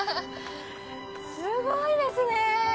すごいですね。